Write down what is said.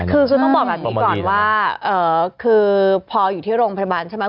คือต้องบอกแบบนี้ก่อนว่าคือพออยู่ที่โรงพยาบาลใช่ไหม